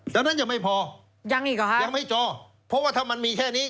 แล้วนั้นจะไม่พอยังไม่จอเพราะว่าถ้ามันมีแค่นี้